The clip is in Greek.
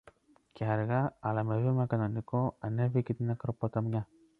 και αργά, αλλά με βήμα κανονικό, ανέβηκε την ακροποταμιά